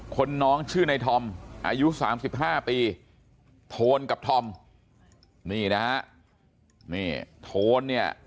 คนน้องชื่อในธอมอายุ๓๕ปีโทนกับธอมนี่นะฮะนี่โทนเนี่ย